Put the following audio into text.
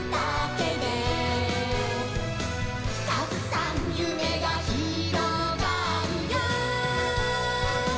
「たくさんゆめがひろがるよ」